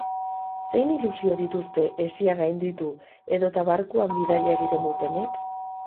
Zein ilusio dituzte hesia gainditu edota barkuan bidaia egiten dutenek?